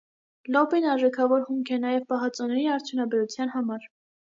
Լոբին արժեքավոր հումք է նաև պահածոների արդյունաբերության համար։